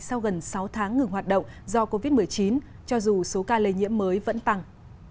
sau gần sáu tháng ngừng hoạt động do covid một mươi chín cho dù số ca lây nhiễm mới vẫn tăng